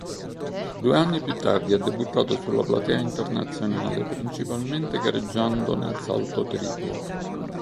Due anni più tardi ha debuttato sulla platea internazionale principalmente gareggiando nel salto triplo.